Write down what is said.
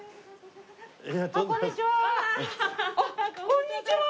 こんにちは。